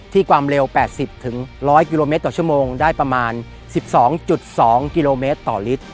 ความเร็ว๘๐๑๐๐กิโลเมตรต่อชั่วโมงได้ประมาณ๑๒๒กิโลเมตรต่อลิตร